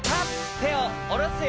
てをおろすよ。